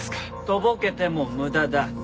とぼけても無駄だ。